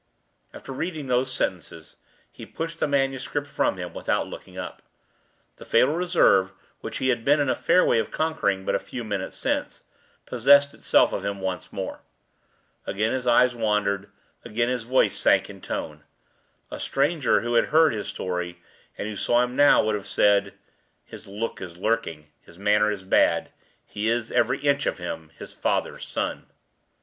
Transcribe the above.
After reading those sentences, he pushed the manuscript from him, without looking up. The fatal reserve which he had been in a fair way of conquering but a few minutes since, possessed itself of him once more. Again his eyes wandered; again his voice sank in tone. A stranger who had heard his story, and who saw him now, would have said, "His look is lurking, his manner is bad; he is, every inch of him, his father's son."